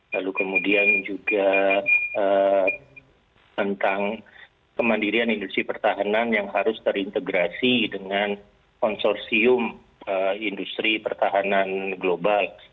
lalu kemudian juga tentang kemandirian industri pertahanan yang harus terintegrasi dengan konsorsium industri pertahanan global